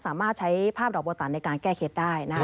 สามารถใช้ภาพดอกโบตันในการแก้เคล็ดได้